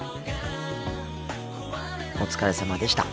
お疲れさまでした。